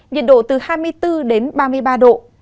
nhiệt độ từ hai mươi bốn đến ba mươi ba độ